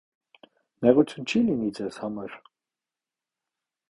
- Նեղություն չի՞ լինի ձեզ համար: